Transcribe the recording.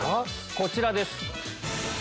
こちらです。